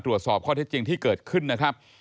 ตรวจสอบข้อเท็จจริงที่เกิดขึ้นนะครับ